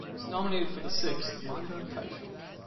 It was nominated for the sixth "Manga Taisho".